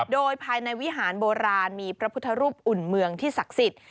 โดยภายในวิหารโบราณมีพระพุทธรูปอุ่นเมืองที่ศักดิ์สิทธิ์